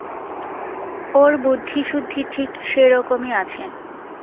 ওর বুদ্ধিশুদ্ধি ঠিক সেইরকমই আছে!